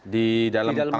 di dalam tanah abang